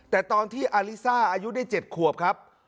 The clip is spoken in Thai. แต่ตอนที่อาลิซ่าอายุได้๗ขวบครับ